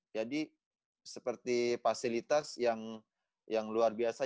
jadi seperti fasilitas yang luar biasa